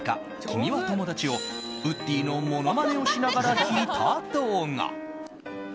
「君はともだち」をウッディのものまねをしながら弾いた動画。